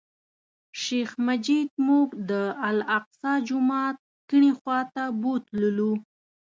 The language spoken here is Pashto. شیخ مجید موږ د الاقصی جومات کیڼې خوا ته بوتللو.